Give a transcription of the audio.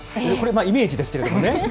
これ、イメージですけれどもね。